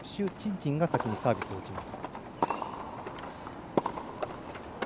珍が先にサービスを打ちます。